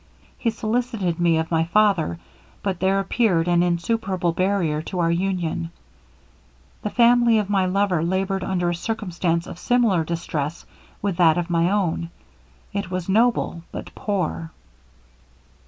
He solicited me of my father, but there appeared an insuperable barrier to our union. The family of my lover laboured under a circumstance of similar distress with that of my own it was noble but poor!